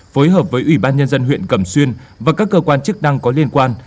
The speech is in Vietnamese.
phối hợp với ủy ban nhân dân huyện cẩm xuyên và các cơ quan chức năng có liên quan